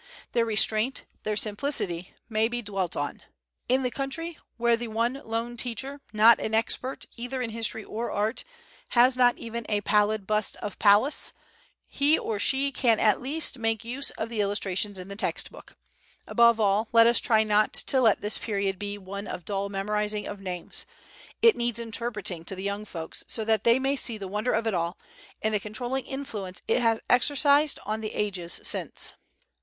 Their restraint, their simplicity may be dwelt on. In the country where the one lone teacher, not an expert, either in history or art, has not even a "pallid bust of Pallas," he or she can at least make use of the illustrations in the text book. Above all, let us try not to let this period be one of dull memorizing of names. It needs interpreting to the young folks so that they may see the wonder of it all, and the controlling influence it has exercised on the ages since.